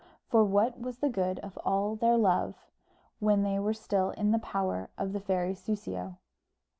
For what was the good of all their love when they were still in the power of the fairy Soussio?